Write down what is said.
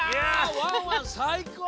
ワンワンさいこう！